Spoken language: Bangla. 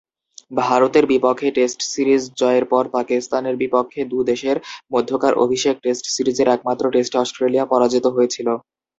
ভারতের বিপক্ষে টেস্ট সিরিজ জয়ের পর পাকিস্তানের বিপক্ষে দু’দেশের মধ্যকার অভিষেক টেস্ট সিরিজের একমাত্র টেস্টে অস্ট্রেলিয়া পরাজিত হয়েছিল।